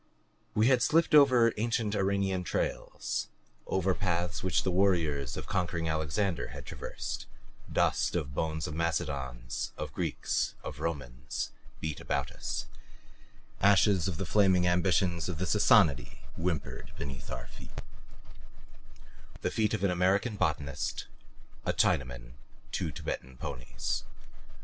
We had slipped over ancient Iranian trails; over paths which the warriors of conquering Alexander had traversed; dust of bones of Macedons, of Greeks, of Romans, beat about us; ashes of the flaming ambitions of the Sassanidae whimpered beneath our feet the feet of an American botanist, a Chinaman, two Tibetan ponies.